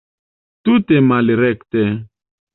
Tute malrekte!